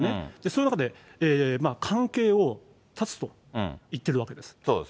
そういう中で関係を断つと言ってるわけです。